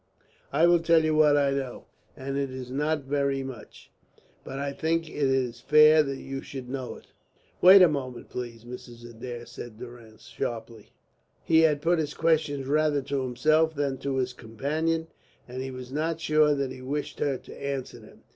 "I will tell you what I know. It is not very much. But I think it is fair that you should know it." "Wait a moment, please, Mrs. Adair," said Durrance, sharply. He had put his questions rather to himself than to his companion, and he was not sure that he wished her to answer them.